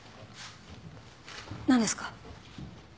何ですか？